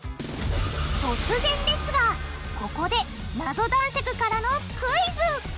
突然ですがここでナゾ男爵からのクイズ！